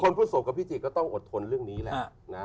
คนผู้สวบกับพี่จี๊ก็ต้องอดทนเรื่องนี้แหละ